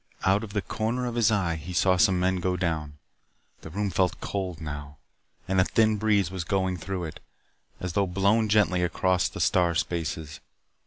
Out of the corner of his eye he saw some men go down. The room felt cold now, and a thin breeze was going through it, as though blown gently across the star spaces.